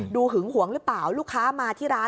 หึงหวงหรือเปล่าลูกค้ามาที่ร้าน